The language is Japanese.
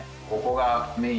ここが。